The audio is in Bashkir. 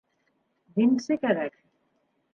Димсе кәрәк.